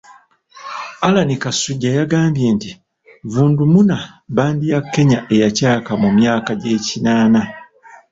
Allan Kasujja yagambye nti, "Vundumuna bbandi ya Kenya eyacaaka mu myaka gy'ekinaana"